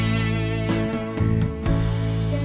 ว่า